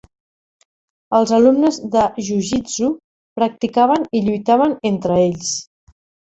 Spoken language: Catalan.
Els alumnes de jujitsu practicaven i lluitaven entre ells.